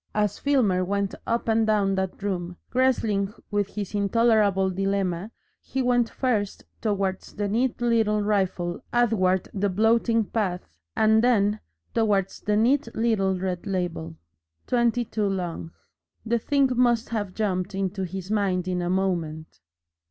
As Filmer went up and down that room wrestling with his intolerable dilemma he went first towards the neat little rifle athwart the blotting pad and then towards the neat little red label ".22 LONG." The thing must have jumped into his mind in a moment.